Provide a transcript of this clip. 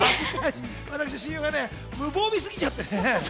親友が無防備すぎちゃってね。